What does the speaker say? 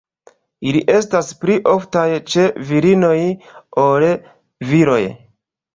Ili estas pli oftaj ĉe virinoj ol viroj.